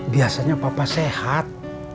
biasanya papa sehat